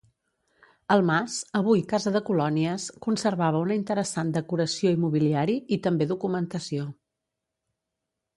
El mas, avui casa de colònies, conservava una interessant decoració i mobiliari, i també documentació.